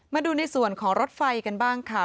มาดูในส่วนของรถไฟกันบ้างค่ะ